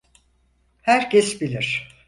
Herkes bilir.